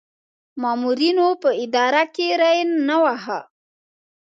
مامورینو په اداره کې ری نه واهه.